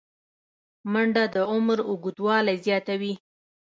منډه د عمر اوږدوالی زیاتوي